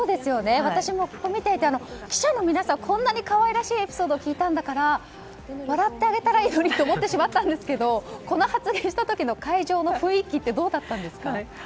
私も、ここを見ていて記者の皆さんこんなに可愛らしいエピソードを聞いたんだから笑ってあげたらいいのにと思ってしまったんですがこの発言した時の会場の雰囲気ってどうだったんですか？